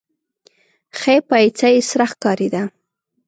ښۍ پايڅه يې سره ښکارېده.